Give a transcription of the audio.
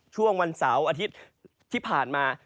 ช่วงวันเสาร์อาทิตย์ที่ผ่านมา